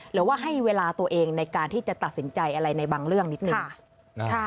หรือว่าให้เวลาตัวเองในการที่จะตัดสินใจอะไรในบางเรื่องนิดนึง